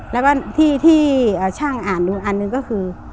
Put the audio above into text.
แล้วก็ที่ช่างอ่านดูอันหนึ่งก็คือ